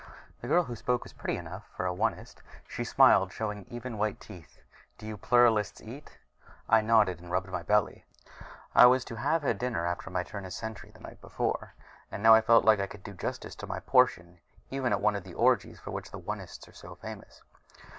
The girl who spoke was a pretty enough little thing for an Onist. She smiled, showing even white teeth. "Do you Pluralists eat?" I nodded and rubbed my belly. I was to have had dinner after my turn as sentry the night before, and now I felt like I could do justice to my portion even at one of the orgies for which the Onists are so famous.